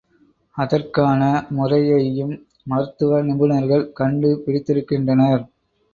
அதற்கான முறையையும் மருத்துவ நிபுணர்கள் கண்டு பிடித்திருக்கின்றனர்.